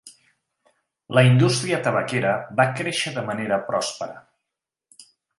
La indústria tabaquera va créixer de manera pròspera.